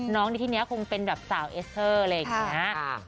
น้องนี่ที่เนี่ยคงเป็นแบบสาวเอสเตอร์อะไรอย่างงี้นะ